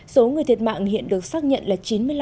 số người thiệt mạng hiện được xác nhận là chín